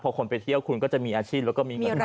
พอคนไปเที่ยวคุณก็จะมีอาชีพแล้วก็มีเงิน